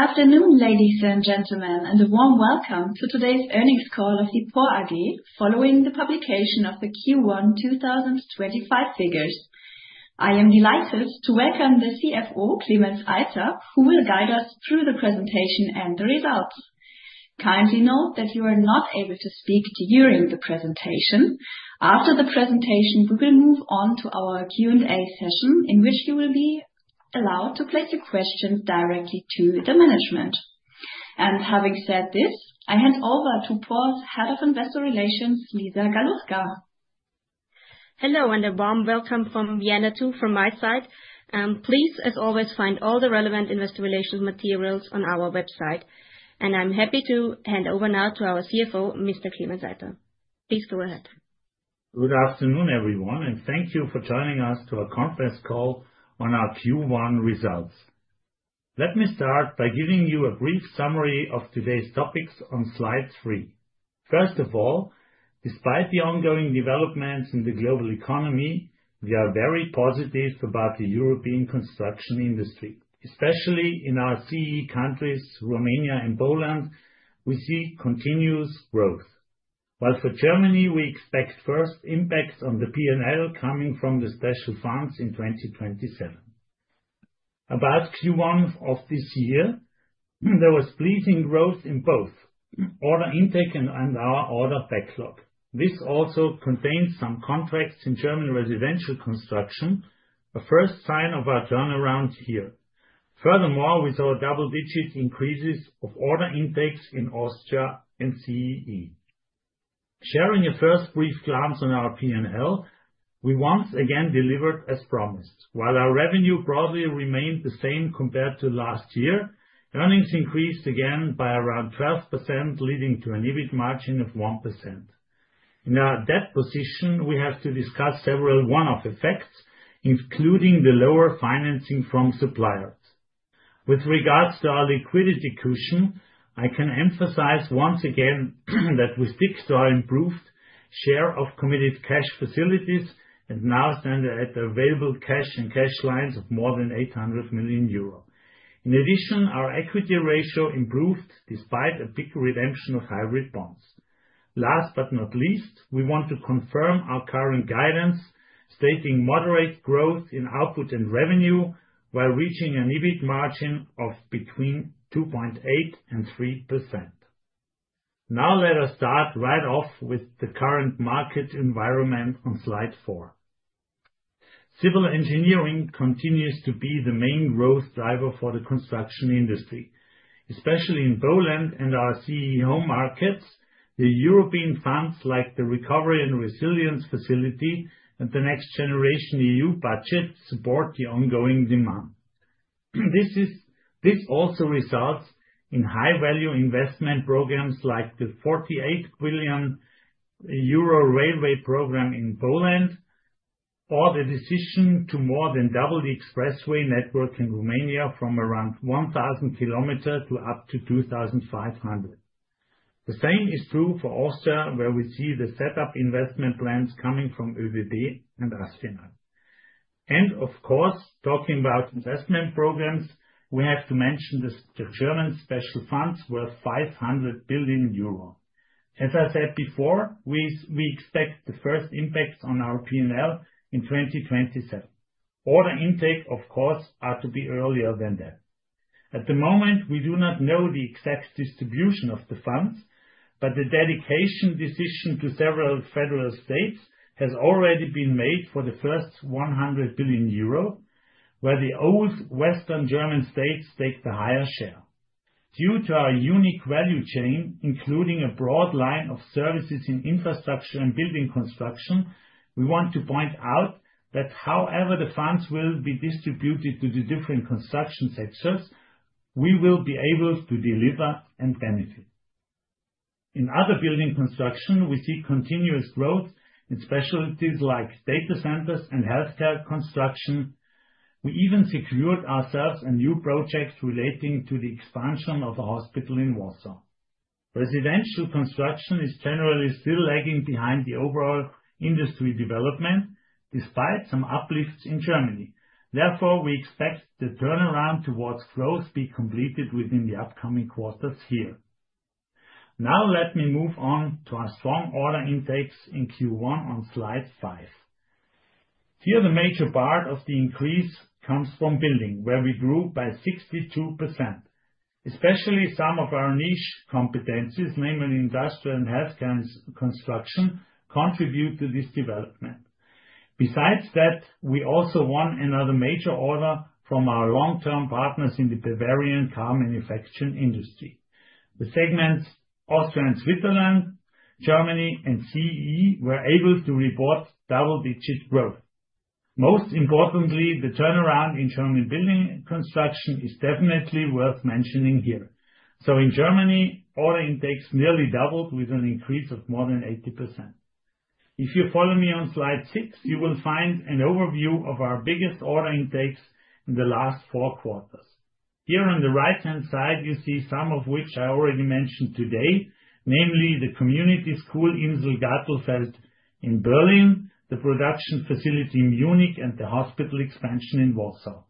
Good afternoon, ladies and gentlemen, and a warm welcome to today's earnings call of PORR AG, following the publication of the Q1 2025 figures. I am delighted to welcome the CFO, Klemens Eiter, who will guide us through the presentation and the results. Kindly note that you are not able to speak during the presentation. After the presentation, we will move on to our Q&A session, in which you will be allowed to place your questions directly to the management. Having said this, I hand over to PORR's Head of Investor Relations, Lisa Galuska. Hello and a warm welcome from Vienna too from my side. Please, as always, find all the relevant investor relations materials on our website. I am happy to hand over now to our CFO, Mr. Klemens Eiter. Please go ahead. Good afternoon, everyone, and thank you for joining us to our conference call on our Q1 results. Let me start by giving you a brief summary of today's topics on slide three. First of all, despite the ongoing developments in the global economy, we are very positive about the European construction industry, especially in our CEE countries, Romania and Poland. We see continuous growth, while for Germany, we expect first impacts on the P&L coming from the special funds in 2027. About Q1 of this year, there was pleasing growth in both order intake and our order backlog. This also contains some contracts in German residential construction, a first sign of our turnaround here. Furthermore, with our double-digit increases of order intakes in Austria and CEE. Sharing a first brief glance on our P&L, we once again delivered as promised. While our revenue broadly remained the same compared to last year, earnings increased again by around 12%, leading to an EBIT margin of 1%. In our debt position, we have to discuss several one-off effects, including the lower financing from suppliers. With regards to our liquidity cushion, I can emphasize once again that we stick to our improved share of committed cash facilities and now stand at available cash and cash lines of more than 800 million euro. In addition, our equity ratio improved despite a big redemption of hybrid bonds. Last but not least, we want to confirm our current guidance, stating moderate growth in output and revenue while reaching an EBIT margin of between 2.8% and 3%. Now let us start right off with the current market environment on slide four. Civil engineering continues to be the main growth driver for the construction industry, especially in Poland and our CEE home markets. The European funds like the Recovery and Resilience Facility and the Next Generation EU budget support the ongoing demand. This also results in high-value investment programs like the 48 billion euro railway program in Poland or the decision to more than double the expressway network in Romania from around 1,000 km to up to 2,500 km. The same is true for Austria, where we see the setup investment plans coming from ÖBB and ASFINAG. Of course, talking about investment programs, we have to mention the German special funds worth 500 billion euro. As I said before, we expect the first impacts on our P&L in 2027. Order intake, of course, is to be earlier than that. At the moment, we do not know the exact distribution of the funds, but the dedication decision to several federal states has already been made for the first 100 billion euro, where the old Western German states take the higher share. Due to our unique value chain, including a broad line of services in infrastructure and building construction, we want to point out that however the funds will be distributed to the different construction sectors, we will be able to deliver and benefit. In other building construction, we see continuous growth in specialties like data centers and healthcare construction. We even secured ourselves a new project relating to the expansion of a hospital in Warsaw. Residential construction is generally still lagging behind the overall industry development, despite some uplifts in Germany. Therefore, we expect the turnaround towards growth to be completed within the upcoming quarters here. Now let me move on to our strong order intakes in Q1 on slide five. Here, the major part of the increase comes from building, where we grew by 62%. Especially some of our niche competencies, namely industrial and healthcare construction, contribute to this development. Besides that, we also won another major order from our long-term partners in the Bavarian car manufacturing industry. The segments Austria and Switzerland, Germany, and CEE were able to report double-digit growth. Most importantly, the turnaround in German building construction is definitely worth mentioning here. In Germany, order intakes nearly doubled with an increase of more than 80%. If you follow me on slide six, you will find an overview of our biggest order intakes in the last four quarters. Here on the right-hand side, you see some of which I already mentioned today, namely the community school Insel Gartenfeld cin Berlin, the production facility in Munich, and the hospital expansion in Warsaw.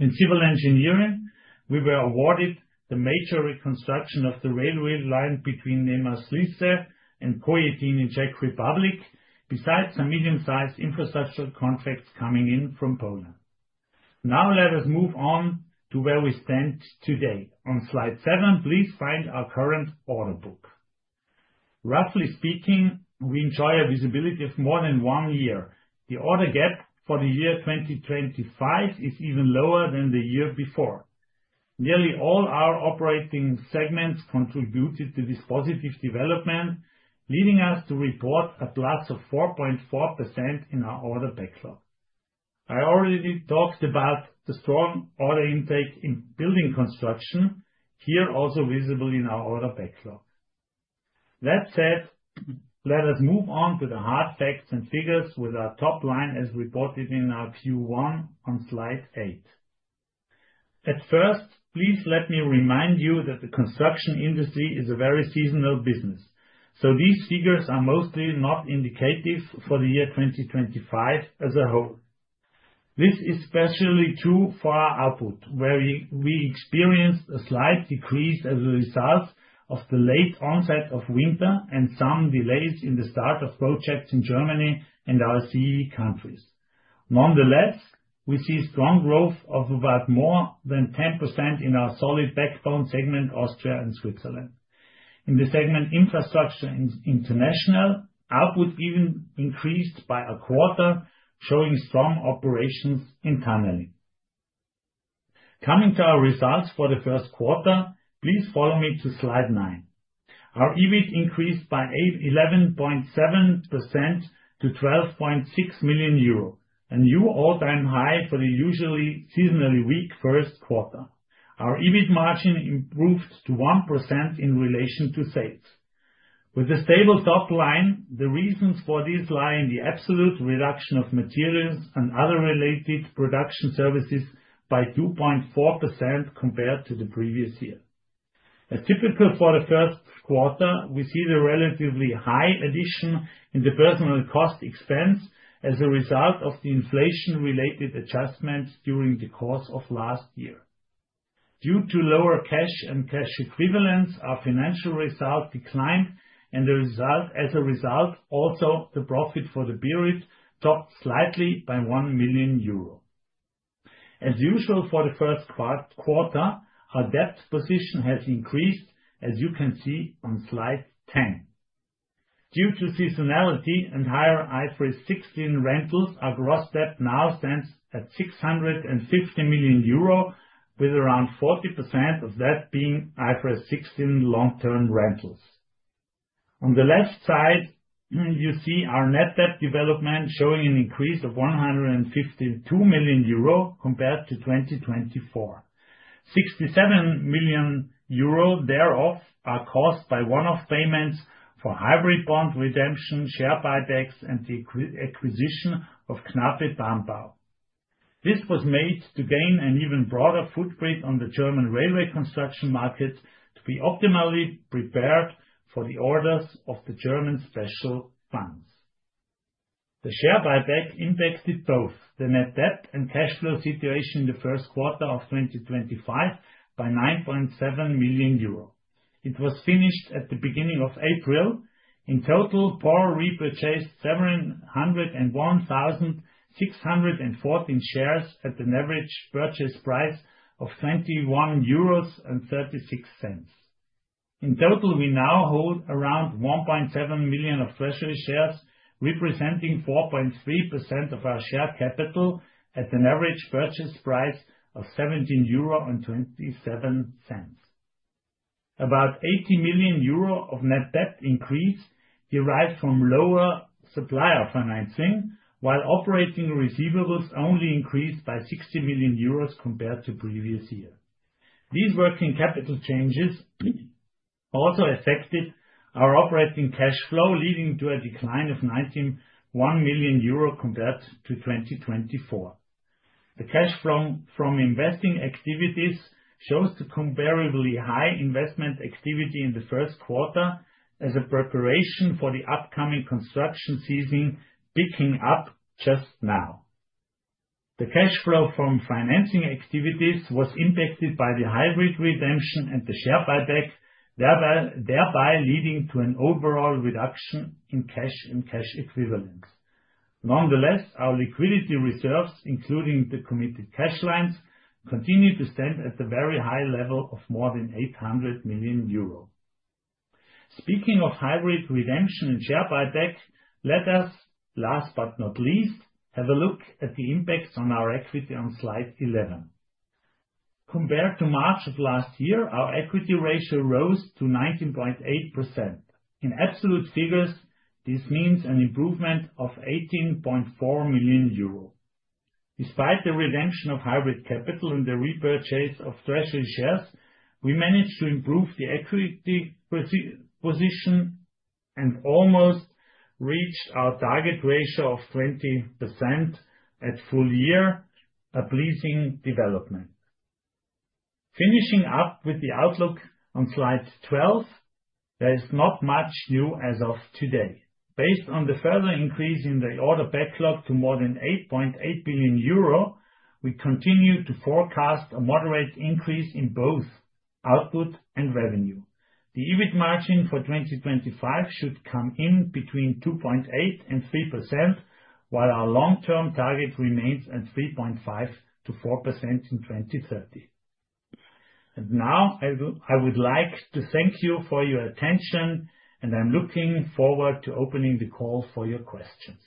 In civil engineering, we were awarded the major reconstruction of the railway line between Nezamyslice and Kojetín in Czech Republic, besides some medium-sized infrastructure contracts coming in from Poland. Now let us move on to where we stand today. On slide seven, please find our current order book. Roughly speaking, we enjoy a visibility of more than one year. The order gap for the year 2025 is even lower than the year before. Nearly all our operating segments contributed to this positive development, leading us to report a plus of 4.4% in our order backlog. I already talked about the strong order intake in building construction, here also visible in our order backlog. That said, let us move on to the hard facts and figures with our top line as reported in our Q1 on slide eight. At first, please let me remind you that the construction industry is a very seasonal business, so these figures are mostly not indicative for the year 2025 as a whole. This is especially true for our output, where we experienced a slight decrease as a result of the late onset of winter and some delays in the start of projects in Germany and our CEE countries. Nonetheless, we see strong growth of about more than 10% in our solid backbone segment, Austria and Switzerland. In the segment infrastructure international, output even increased by a quarter, showing strong operations internally. Coming to our results for the first quarter, please follow me to slide nine. Our EBIT increased by 11.7% to 12.6 million euro, a new all-time high for the usually seasonally weak first quarter. Our EBIT margin improved to 1% in relation to sales. With a stable top line, the reasons for this lie in the absolute reduction of materials and other related production services by 2.4% compared to the previous year. As typical for the first quarter, we see the relatively high addition in the personnel cost expense as a result of the inflation-related adjustments during the course of last year. Due to lower cash and cash equivalents, our financial result declined, and as a result, also the profit for the period topped slightly by 1 million euro. As usual for the first quarter, our debt position has increased, as you can see on slide 10. Due to seasonality and higher IFRS 16 rentals, our gross debt now stands at 650 million euro, with around 40% of that being IFRS 16 long-term rentals. On the left side, you see our net debt development showing an increase of 152 million euro compared to 2024. 67 million euro thereof are caused by one-off payments for hybrid bond redemption, share buybacks, and the acquisition of Knape Bahnbau. This was made to gain an even broader footprint on the German railway construction market to be optimally prepared for the orders of the German special funds. The share buyback impacted both the net debt and cash flow situation in the first quarter of 2025 by 9.7 million euro. It was finished at the beginning of April. In total, PORR repurchased 701,614 shares at an average purchase price of 21.36 euros. In total, we now hold around 1.7 million of Treasury shares, representing 4.3% of our share capital at an average purchase price of 17.27 euro. About 80 million euro of net debt increase derived from lower supplier financing, while operating receivables only increased by 60 million euros compared to the previous year. These working capital changes also affected our operating cash flow, leading to a decline of 1 million euro compared to 2024. The cash flow from investing activities shows the comparably high investment activity in the first quarter as a preparation for the upcoming construction season picking up just now. The cash flow from financing activities was impacted by the hybrid redemption and the share buyback, thereby leading to an overall reduction in cash and cash equivalents. Nonetheless, our liquidity reserves, including the committed cash lines, continue to stand at a very high level of more than 800 million euros. Speaking of hybrid redemption and share buyback, let us, last but not least, have a look at the impacts on our equity on slide 11. Compared to March of last year, our equity ratio rose to 19.8%. In absolute figures, this means an improvement of 18.4 million euro. Despite the redemption of hybrid capital and the repurchase of Treasury shares, we managed to improve the equity position and almost reached our target ratio of 20% at full year, a pleasing development. Finishing up with the outlook on slide 12, there is not much new as of today. Based on the further increase in the order backlog to more than 8.8 billion euro, we continue to forecast a moderate increase in both output and revenue. The EBIT margin for 2025 should come in between 2.8% and 3%, while our long-term target remains at 3.5%-4% in 2030. Now I would like to thank you for your attention, and I'm looking forward to opening the call for your questions.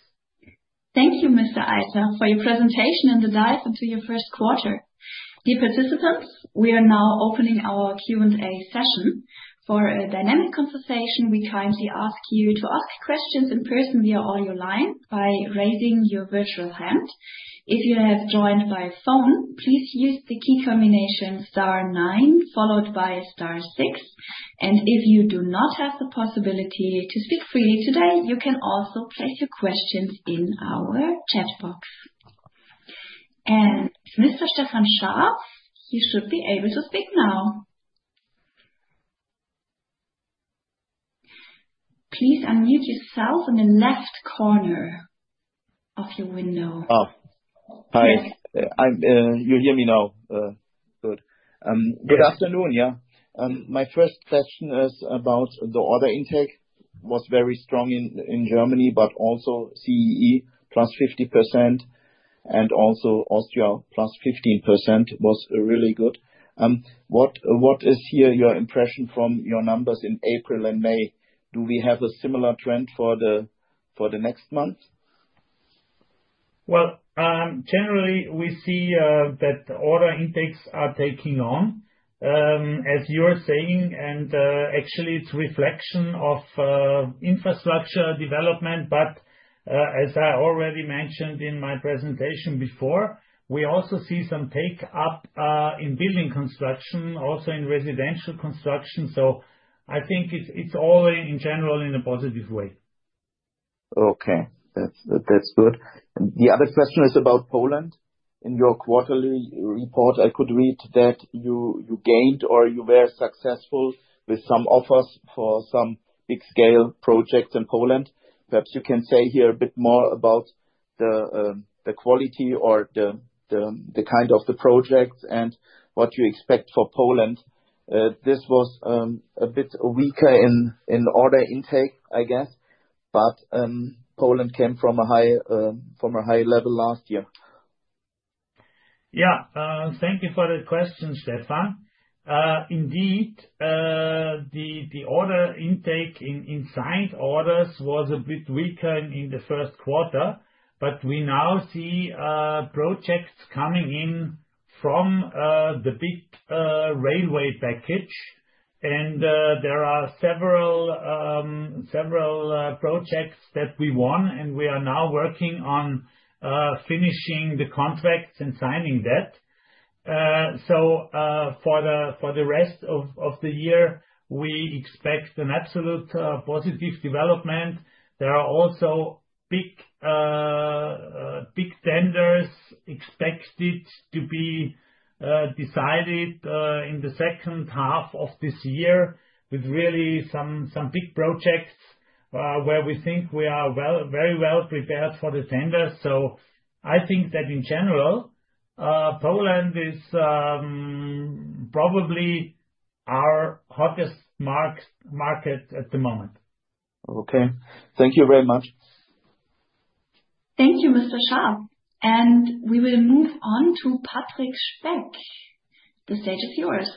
Thank you, Mr. Eiter, for your presentation and the dive into your first quarter. Dear participants, we are now opening our Q&A session. For a dynamic conversation, we kindly ask you to ask questions in person via audio line by raising your virtual hand. If you have joined by phone, please use the key combination star nine followed by star six. If you do not have the possibility to speak freely today, you can also place your questions in our chat box. Mr. Stefan Scharff, you should be able to speak now. Please unmute yourself in the left corner of your window. Oh, hi. You hear me now? Good. Good afternoon. Yeah. My first question is about the order intake. It was very strong in Germany, but also CEE +50% and also Austria +15% was really good. What is here your impression from your numbers in April and May? Do we have a similar trend for the next month? Generally, we see that order intakes are taking on, as you're saying, and actually, it's a reflection of infrastructure development. As I already mentioned in my presentation before, we also see some take-up in building construction, also in residential construction. I think it's all in general in a positive way. Okay. That's good. The other question is about Poland. In your quarterly report, I could read that you gained or you were successful with some offers for some big-scale projects in Poland. Perhaps you can say here a bit more about the quality or the kind of the projects and what you expect for Poland. This was a bit weaker in order intake, I guess, but Poland came from a high level last year. Yeah. Thank you for the question, Stefan. Indeed, the order intake in signed orders was a bit weaker in the first quarter, but we now see projects coming in from the big railway package. There are several projects that we won, and we are now working on finishing the contracts and signing that. For the rest of the year, we expect an absolute positive development. There are also big tenders expected to be decided in the second half of this year with really some big projects where we think we are very well prepared for the tenders. I think that in general, Poland is probably our hottest market at the moment. Okay. Thank you very much. Thank you, Mr. Scharff. We will move on to Patrick Speck. The stage is yours.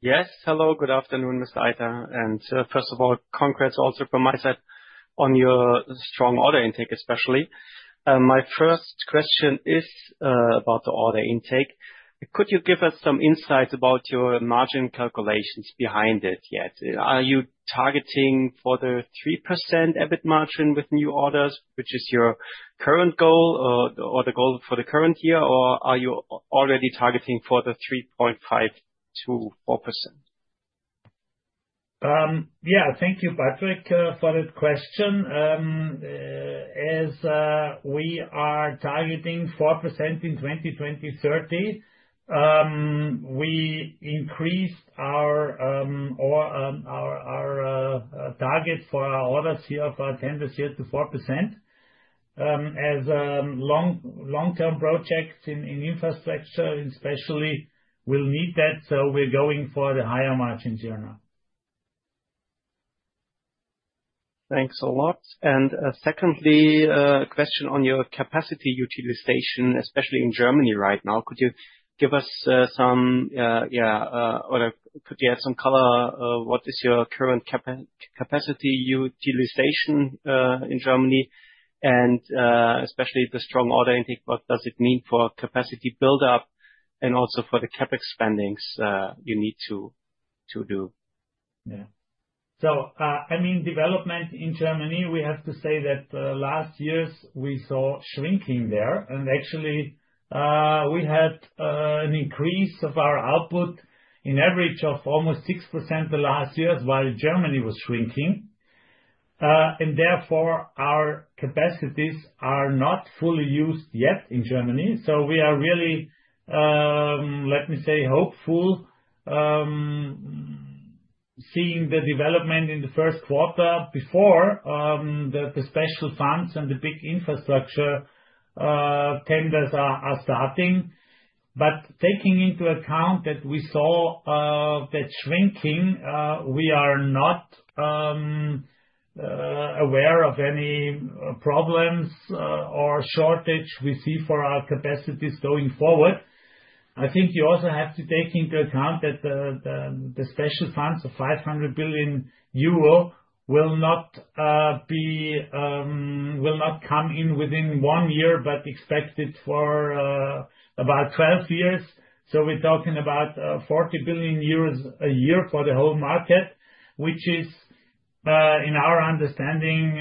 Yes. Hello. Good afternoon, Mr. Eiter. And first of all, congrats also from my side on your strong order intake, especially. My first question is about the order intake. Could you give us some insight about your margin calculations behind it yet? Are you targeting for the 3% EBIT margin with new orders, which is your current goal or the goal for the current year, or are you already targeting for the 3.5%-4%? Yeah. Thank you, Patrick, for that question. As we are targeting 4% in 2023, we increased our target for our orders here for our tenders here to 4%. As long-term projects in infrastructure especially will need that, so we're going for the higher margins here now. Thanks a lot. And secondly, a question on your capacity utilization, especially in Germany right now. Could you give us some, yeah, or could you add some color? What is your current capacity utilization in Germany? Especially the strong order intake, what does it mean for capacity build-up and also for the CapEx spendings you need to do? Yeah. I mean, development in Germany, we have to say that last year we saw shrinking there. Actually, we had an increase of our output in average of almost 6% the last year while Germany was shrinking. Therefore, our capacities are not fully used yet in Germany. We are really, let me say, hopeful seeing the development in the first quarter before the special funds and the big infrastructure tenders are starting. Taking into account that we saw that shrinking, we are not aware of any problems or shortage we see for our capacities going forward. I think you also have to take into account that the special funds of 500 billion euro will not come in within one year, but expected for about 12 years. We are talking about 40 billion euros a year for the whole market, which is, in our understanding,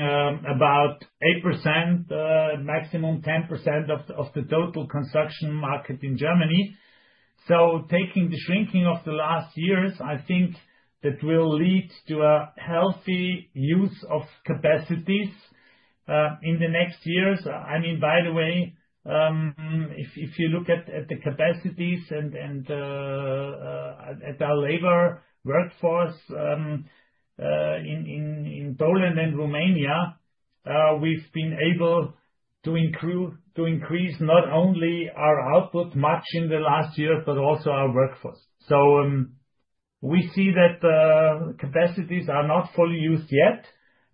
about 8%, maximum 10% of the total construction market in Germany. Taking the shrinking of the last years, I think that will lead to a healthy use of capacities in the next years. I mean, by the way, if you look at the capacities and at our labor workforce in Poland and Romania, we have been able to increase not only our output much in the last year, but also our workforce. We see that capacities are not fully used yet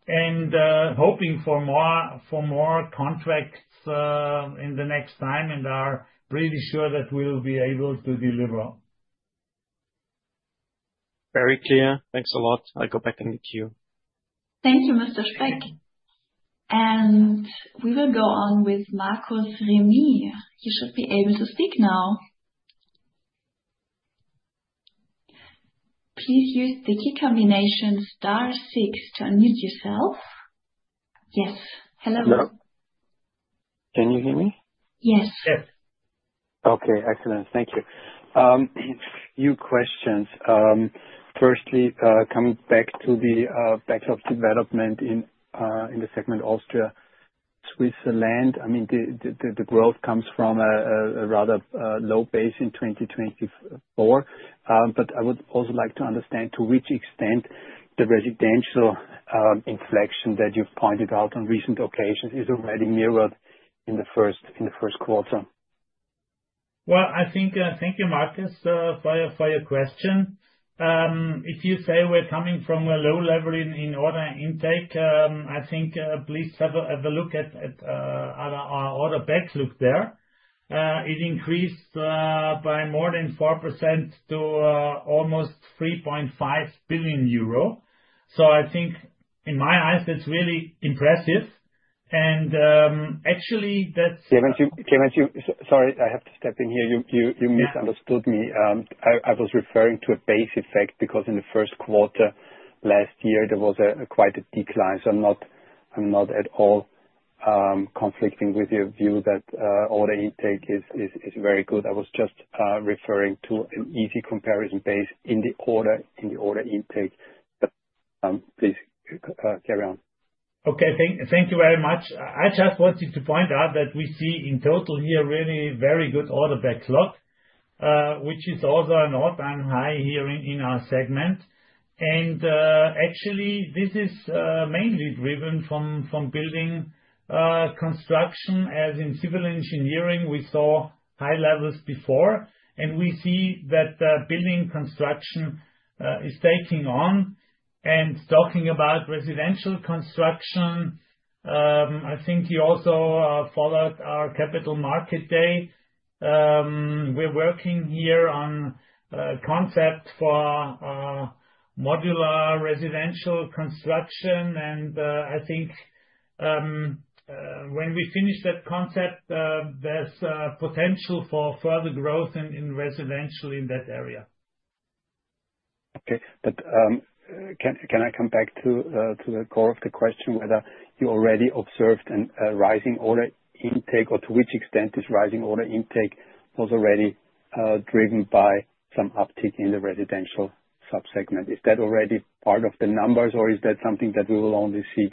and hoping for more contracts in the next time and are pretty sure that we will be able to deliver. Very clear. Thanks a lot. I'll go back into queue. Thank you, Mr. Speck. We will go on with Markus Remis. You should be able to speak now. Please use the key combination star six to unmute yourself. Yes. Hello. Hello. Can you hear me? Yes. Yes. Okay. Excellent. Thank you. Few questions. Firstly, coming back to the backlog development in the segment Austria, Switzerland, I mean, the growth comes from a rather low base in 2024. I would also like to understand to which extent the residential inflection that you've pointed out on recent occasions is already mirrored in the first quarter. I think thank you, Markus, for your question. If you say we're coming from a low level in order intake, I think please have a look at our order backlog there. It increased by more than 4% to almost 3.5 billion euro. I think in my eyes, that's really impressive. Actually, that's. Klemens Eiter. Sorry, I have to step in here. You misunderstood me. I was referring to a base effect because in the first quarter last year, there was quite a decline. I'm not at all conflicting with your view that order intake is very good. I was just referring to an easy comparison base in the order intake. Please carry on. Thank you very much. I just wanted to point out that we see in total here really very good order backlog, which is also an all-time high here in our segment. Actually, this is mainly driven from building construction. As in civil engineering, we saw high levels before, and we see that building construction is taking on. Talking about residential construction, I think you also followed our Capital Market Day. We're working here on a concept for modular residential construction. I think when we finish that concept, there's potential for further growth in residential in that area. Okay. Can I come back to the core of the question, whether you already observed a rising order intake or to which extent this rising order intake was already driven by some uptick in the residential subsegment? Is that already part of the numbers, or is that something that we will only see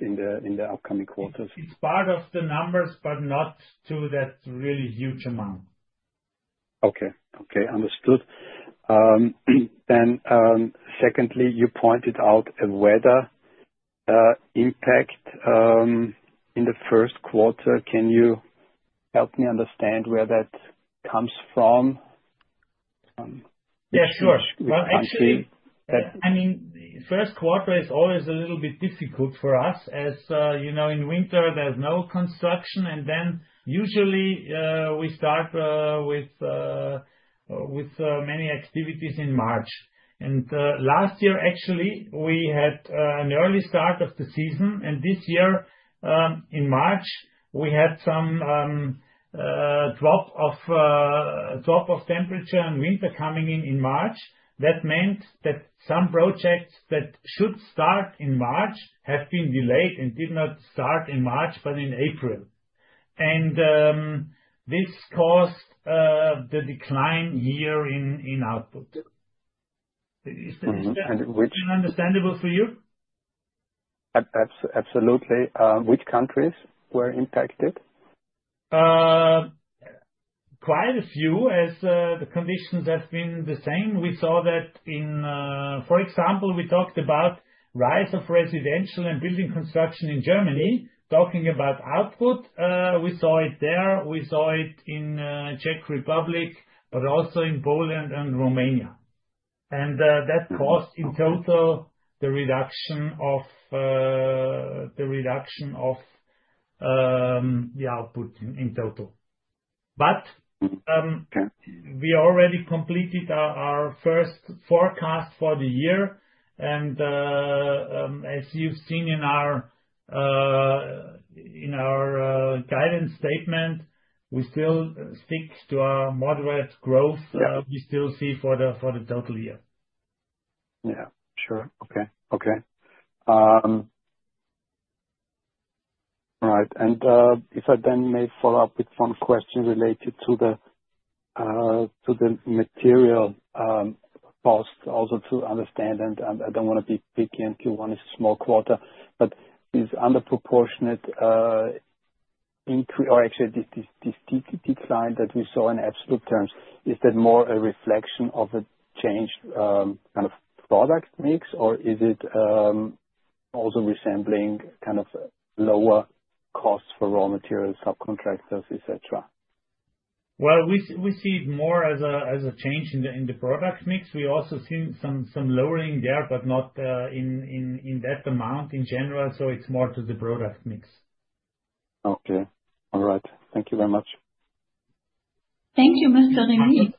in the upcoming quarters? It's part of the numbers, but not to that really huge amount. Okay. Okay. Understood. Secondly, you pointed out a weather impact in the first quarter. Can you help me understand where that comes from? Yeah. Sure. Actually. I mean, first quarter is always a little bit difficult for us. As you know, in winter, there's no construction. Usually, we start with many activities in March. Last year, actually, we had an early start of the season. This year, in March, we had some drop of temperature and winter coming in March. That meant that some projects that should start in March have been delayed and did not start in March, but in April. This caused the decline here in output. Is that understandable for you? Absolutely. Which countries were impacted? Quite a few, as the conditions have been the same. We saw that in, for example, we talked about rise of residential and building construction in Germany, talking about output. We saw it there. We saw it in Czech Republic, but also in Poland and Romania. That caused, in total, the reduction of the output in total. We already completed our first forecast for the year. As you have seen in our guidance statement, we still stick to our moderate growth. We still see for the total year. Yeah. Sure. Okay. Okay. All right. If I may follow up with one question related to the material cost, also to understand, and I do not want to be picky and to one small quarter, but this underproportionate increase or actually this decline that we saw in absolute terms, is that more a reflection of a change kind of product mix, or is it also resembling kind of lower costs for raw material, subcontractors, etc.? We see it more as a change in the product mix. We also see some lowering there, but not in that amount in general. It is more to the product mix. Okay. All right. Thank you very much. Thank you, Mr. Remis.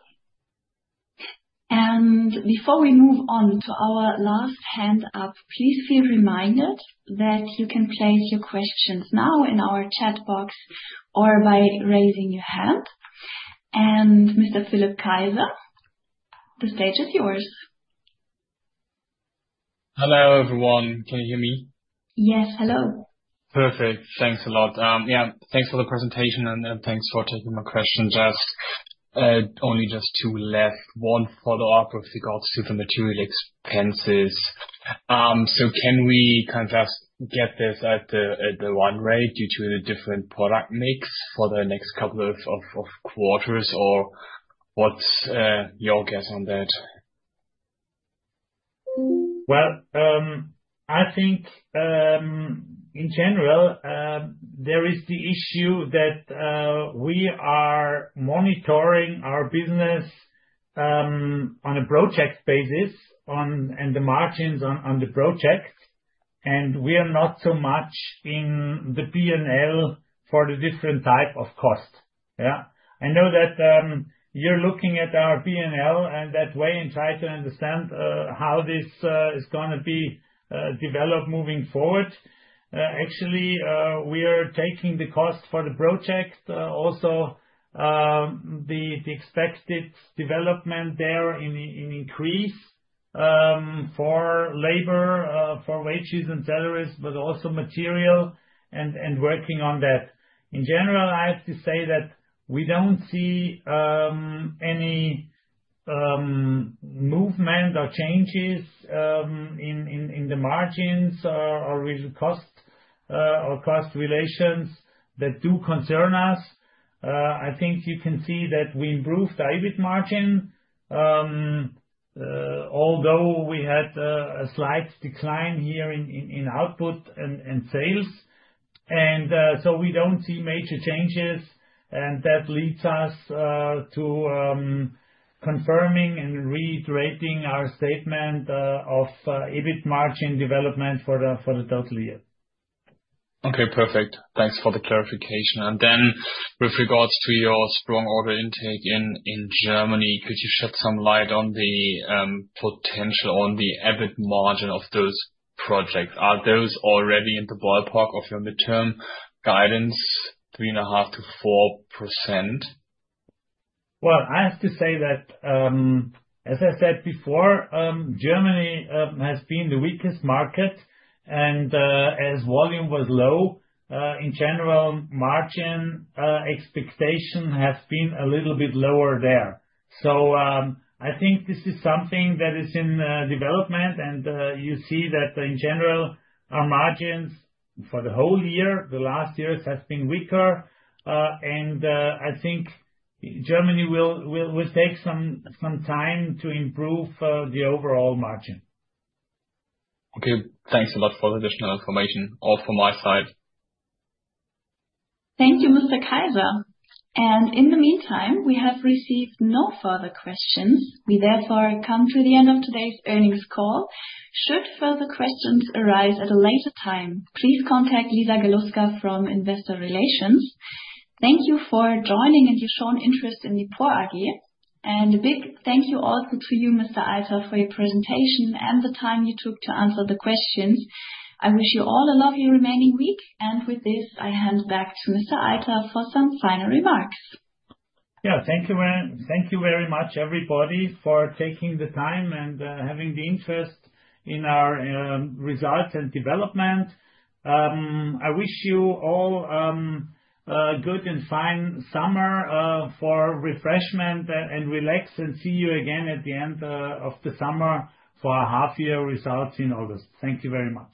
Before we move on to our last hand up, please feel reminded that you can place your questions now in our chat box or by raising your hand. Mr. Philipp Kaiser, the stage is yours. Hello, everyone. Can you hear me? Yes. Hello. Perfect. Thanks a lot. Yeah. Thanks for the presentation, and thanks for taking my questions. Only just one last follow-up with regards to the material expenses. Can we kind of get this at the one rate due to the different product mix for the next couple of quarters, or what's your guess on that? I think in general, there is the issue that we are monitoring our business on a project basis and the margins on the project, and we are not so much in the P&L for the different type of cost. Yeah. I know that you're looking at our P&L in that way and try to understand how this is going to be developed moving forward. Actually, we are taking the cost for the project, also the expected development there in increase for labor, for wages and salaries, but also material and working on that. In general, I have to say that we don't see any movement or changes in the margins or cost relations that do concern us. I think you can see that we improved our EBIT margin, although we had a slight decline here in output and sales. We don't see major changes, and that leads us to confirming and reiterating our statement of EBIT margin development for the total year. Okay. Perfect. Thanks for the clarification. With regards to your strong order intake in Germany, could you shed some light on the potential on the EBIT margin of those projects? Are those already in the ballpark of your midterm guidance, 3.5%-4%? I have to say that, as I said before, Germany has been the weakest market. As volume was low, in general, margin expectation has been a little bit lower there. I think this is something that is in development. You see that in general, our margins for the whole year, the last years, have been weaker. I think Germany will take some time to improve the overall margin. Okay. Thanks a lot for the additional information, all from my side. Thank you, Mr. Kaiser. In the meantime, we have received no further questions. We therefore come to the end of today's earnings call. Should further questions arise at a later time, please contact Lisa Galuska from Investor Relations. Thank you for joining and your shown interest in the PORR AG. A big thank you also to you, Mr. Eiter, for your presentation and the time you took to answer the questions. I wish you all a lovely remaining week. With this, I hand back to Mr. Eiter for some final remarks. Yeah. Thank you very much, everybody, for taking the time and having the interest in our results and development. I wish you all a good and fine summer for refreshment and relax and see you again at the end of the summer for our half-year results in Au gust. Thank you very much.